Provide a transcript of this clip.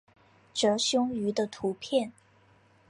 褶胸鱼的图片